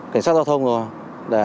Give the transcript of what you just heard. cảnh sát giao thông rồi